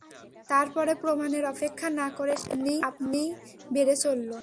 তার পরে প্রমাণের অপেক্ষা না করে সেটা আপনিই বেড়ে চলল।